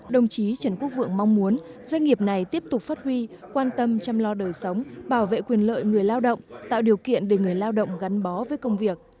đồng chí trần quốc vượng mong muốn doanh nghiệp này tiếp tục phát huy quan tâm chăm lo đời sống bảo vệ quyền lợi người lao động tạo điều kiện để người lao động gắn bó với công việc